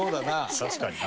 確かにな。